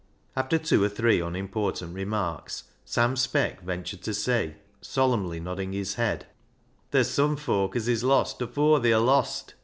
After two or three unimportant remarks, Sam Speck ventured to say, solemnly nodding his head — "Ther's sum foak as is lost afoor they arr lost.